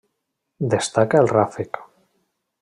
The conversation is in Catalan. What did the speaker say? Destaca el ràfec.